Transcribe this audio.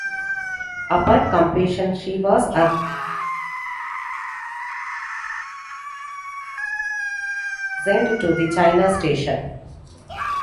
Upon completion she was assigned to the China Station.